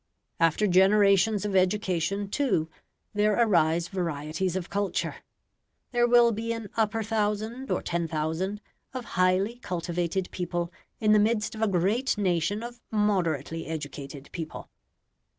After generations of education, too, there arise varieties of culture there will be an upper thousand, or ten thousand, of highly cultivated people in the midst of a great nation of moderately educated people.